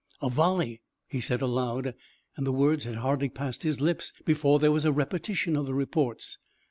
"A volley!" he said aloud, and the words had hardly passed his lips before there was a repetition of the reports.